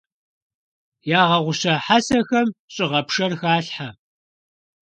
Ягъэгъуща хьэсэхэм щӀыгъэпшэр халъхьэ.